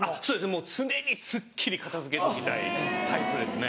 もう常にすっきり片付けておきたいタイプですね。